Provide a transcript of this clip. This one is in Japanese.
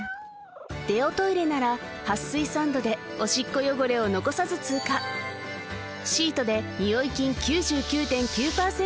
デオトイレなら撥水サンドでオシッコ汚れを残さず通過シートでニオイ菌９９．９％